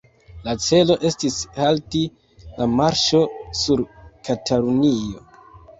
La celo estis halti la marŝo sur Katalunio.